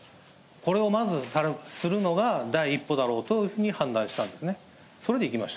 これをまずするのが第一歩だろうというふうに判断したんですね。